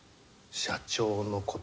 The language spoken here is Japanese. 社長のこと